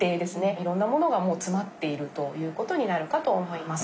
いろんなものがもう詰まっているという事になるかと思います。